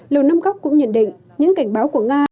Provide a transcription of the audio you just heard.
lầu năm cóc cũng nhận định những cảnh báo của nga liên quan đến